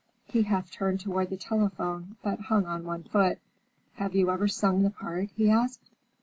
He half turned toward the telephone, but hung on one foot. "Have you ever sung the part?" he asked.